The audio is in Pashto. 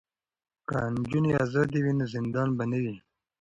که نجونې ازادې وي نو زندان به نه وي.